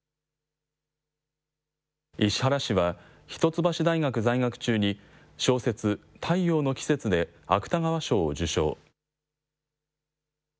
石原氏は、一橋大学在学中に、小説、太陽の季節で芥川賞を受賞。